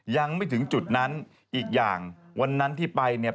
ยังไม่ถึงจุดนั้นอีกอย่างวันนั้นที่ไปเนี่ย